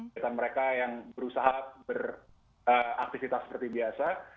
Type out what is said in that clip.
kita mereka yang berusaha beraktivitas seperti biasa